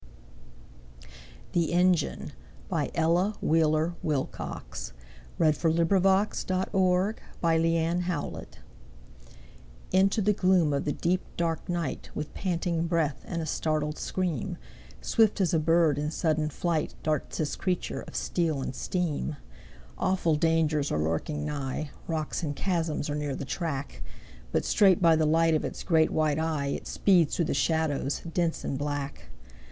ears, My new robe shall be richer than the old. Ella Wheeler Wilcox The Engine INTO the gloom of the deep, dark night, With panting breath and a startled scream; Swift as a bird in sudden flight Darts this creature of steel and steam. Awful dangers are lurking nigh, Rocks and chasms are near the track, But straight by the light of its great white eye It speeds through the shadows, dense and black.